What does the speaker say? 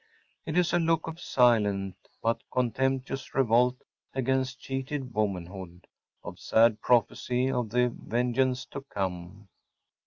It is a look of silent but contemptuous revolt against cheated womanhood; of sad prophecy of the vengeance to come.